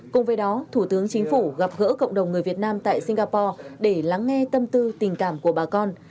cùng với đó thủ tướng chính phủ gặp gỡ cộng đồng người việt nam tại singapore để lắng nghe tâm tư tình cảm của bà con